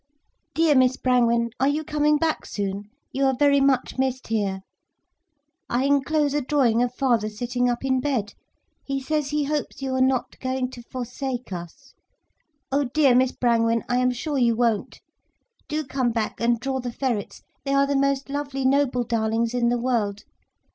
"Dear Miss Brangwen, are you coming back soon, you are very much missed here. I enclose a drawing of father sitting up in bed. He says he hopes you are not going to forsake us. Oh dear Miss Brangwen, I am sure you won't. Do come back and draw the ferrets, they are the most lovely noble darlings in the world.